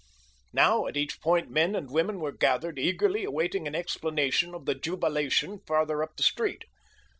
Now, at each point men and women were gathered, eagerly awaiting an explanation of the jubilation farther up the street.